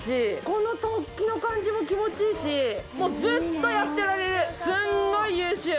この突起の感じも気持ちいいしずっとやってられるすんごい優秀。